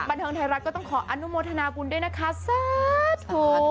บันเทิงไทยรัฐก็ต้องขออนุโมทนาบุญด้วยนะคะสาธุ